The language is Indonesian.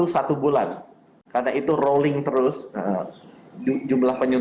satu bulan sesudahnya